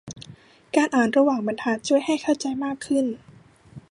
การอ่านระหว่างบรรทัดช่วยให้เข้าใจมากขึ้น